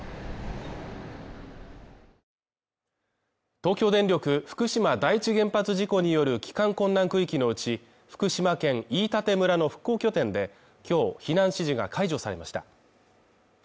東京電力福島第一原発事故による帰還困難区域のうち、福島県飯舘村の復興拠点で、今日、避難指示が解除されました。